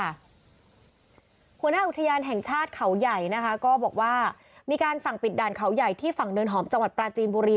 หัวหน้าอุทยานแห่งชาติเขาใหญ่นะคะก็บอกว่ามีการสั่งปิดด่านเขาใหญ่ที่ฝั่งเนินหอมจังหวัดปราจีนบุรี